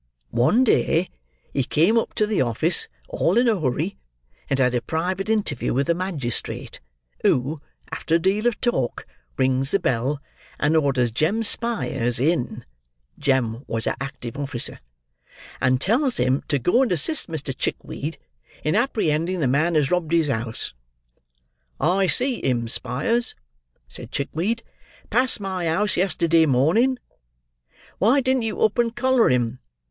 One day he came up to the office, all in a hurry, and had a private interview with the magistrate, who, after a deal of talk, rings the bell, and orders Jem Spyers in (Jem was a active officer), and tells him to go and assist Mr. Chickweed in apprehending the man as robbed his house. 'I see him, Spyers,' said Chickweed, 'pass my house yesterday morning,' 'Why didn't you up, and collar him!